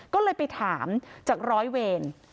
ก็เลยไปถามจากร้อยเวร